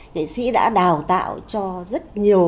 nghệ sĩ đã đào tạo cho rất nhiều